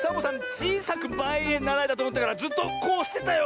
ちいさくまえへならえだとおもったからずっとこうしてたよ。